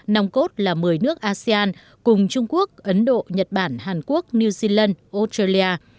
nòng cốt là một mươi nước asean cùng trung quốc ấn độ nhật bản hàn quốc new zealand australia